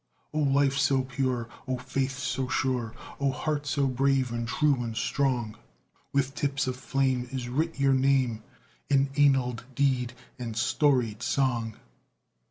O life so pure! O faith so sure! O heart so brave, and true, and strong! With tips of flame is writ your name, In annaled deed and storied song!